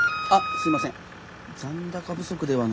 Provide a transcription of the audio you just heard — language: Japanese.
すいません。